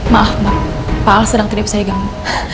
maaf mbak pak al sedang tidak bisa diganggu